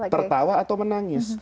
tertawa atau menangis